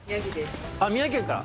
宮城県から？